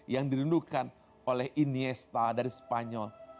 yang dirindukan oleh inesta dari spanyol